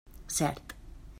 Cert.